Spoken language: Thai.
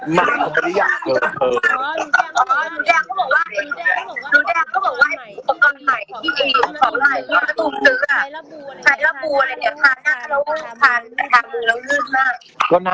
หน้าหมักไม่ได้อยากเจอ